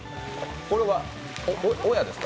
これは親ですか？